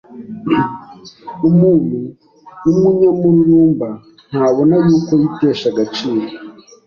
Umuntu w’umunyamururumba ntabona yuko yitesha agaciro